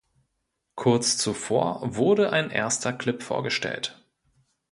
Kurz zuvor wurde ein erster Clip vorgestellt.